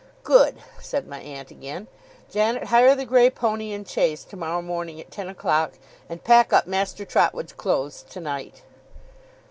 'Good,' said my aunt again. 'Janet, hire the grey pony and chaise tomorrow morning at ten o'clock, and pack up Master Trotwood's clothes tonight.